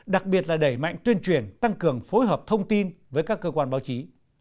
đặc biệt là đẩy mạnh tuyên truyền tăng cường phối hợp thông tin với các cơ quan báo chí